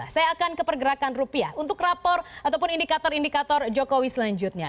saya akan ke pergerakan rupiah untuk rapor ataupun indikator indikator jokowi selanjutnya